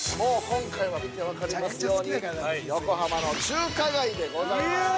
◆今回は見て分かりますように横浜の中華街でございます。